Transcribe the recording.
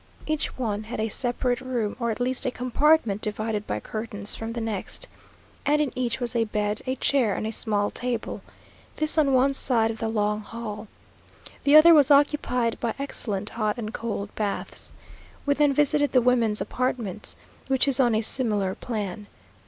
Each one had a separate room, or at least a compartment divided by curtains from the next; and in each was a bed, a chair, and a small table; this on one side of the long hall. The other was occupied by excellent hot and cold baths. We then visited the women's apartment, which is on a similar plan.